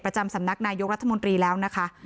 ประจำสำนักนายกรัฐมนตรีแล้วนะคะ